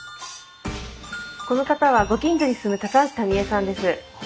この方はご近所に住む橋タミ江さんです。